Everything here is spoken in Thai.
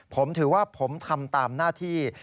ผมถือว่าผมทำตามหน้าที่